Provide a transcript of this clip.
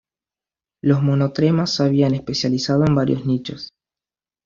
Los monotremas se habían especializado en varios nichos.